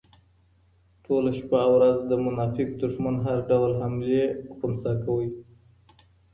ټوله شپه او ورځ د منافق دښمن هر ډول حملې خنثی کوي